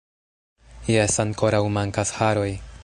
Jes, ankoraŭ mankas haroj